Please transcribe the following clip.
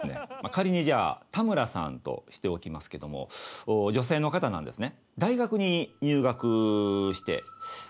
仮にじゃあ田村さんとしておきますけども女性の方なんですね。